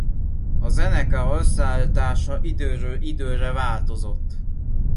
A zenekar összeállítása időről-időre változott.